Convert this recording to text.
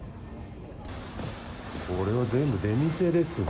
これは全部出店ですね。